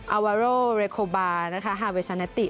อาวาโรเรโคบานะคะฮาเวซานาติ